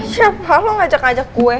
siapa lo ngajak ajak gue